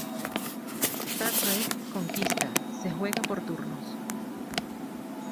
Star Trek: Conquista se juega por turnos.